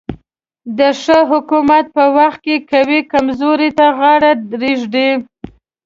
د ښه حکومت په وخت کې قوي کمزورو ته غاړه ږدي.